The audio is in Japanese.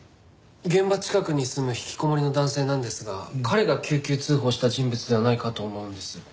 現場近くに住む引きこもりの男性なんですが彼が救急通報した人物ではないかと思うんです。